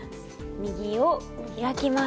右を開きます。